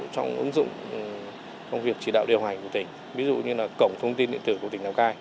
trong ứng dụng công việc chỉ đạo điều hành của tỉnh ví dụ như là cổng thông tin điện tử của tỉnh lào cai